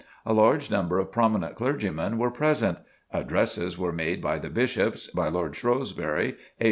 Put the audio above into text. A large number of prominent clergymen were present. Addresses were made by the Bishops, by Lord Shrewsbury, A.